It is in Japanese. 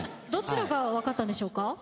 どちらが分かったんでしょうか？